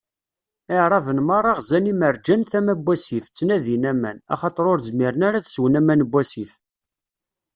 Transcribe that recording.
Iɛraben meṛṛa ɣzan imerjan tama n wasif, ttnadin aman, axaṭer ur zmiren ara ad swen aman n wasif.